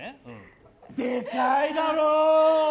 でかいだろー？